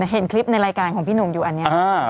เห็นคลิปในรายการของพี่หนุ่มอยู่อันนี้